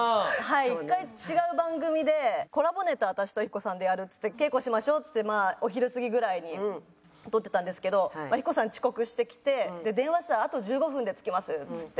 １回違う番組でコラボネタを私とヒコさんでやるっつって「稽古しましょう」っつってまあお昼過ぎぐらいに取ってたんですけどヒコさん遅刻してきてで電話したら「あと１５分で着きます」っつって。